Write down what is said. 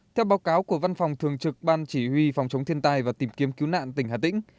theo báo cáo của văn phòng thường trực ban chỉ huy phòng chống thiên tai và tìm kiếm cứu nạn tỉnh hà tĩnh